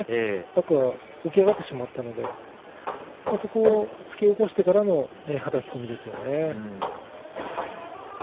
天空海が起き上がってしまったのでそこから突き起こしてのはたき込みですよね。